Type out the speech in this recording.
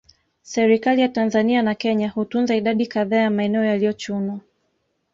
Serikali ya Tanzania na Kenya hutunza idadi kadhaa ya maeneo yaliyochunwa